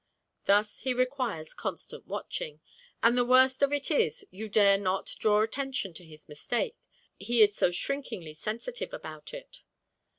Thus he requires constant watching, and the worst of it is, you dare not draw attention to his mistake, he is so shrinkingly sensitive about it.